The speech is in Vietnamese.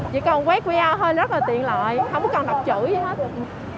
chỉ cần quét qr thôi rất là tiện lợi không có cần đọc chữ gì hết